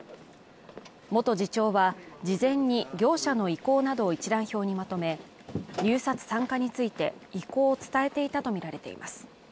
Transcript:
元次長は事前に業者の意向などを一覧表にまとめ入札参加について意向を伝えていたとみられています